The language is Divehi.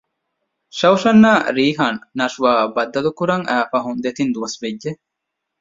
ސައުސަން އާ ރީހާން ނަޝްވާ އަށް ބައްދަލުކުރަން އައި ފަހުން ދެތިން ދުވަސް ވެއްޖެ